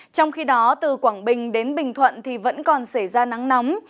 trong khi đó từ quảng bình đến bình thuận thì vẫn còn xảy ra nắng nóng